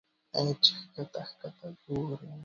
اې چې ښکته ښکته ګورې